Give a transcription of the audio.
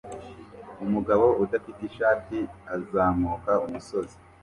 Umugabo udafite ishati azamuka umusozi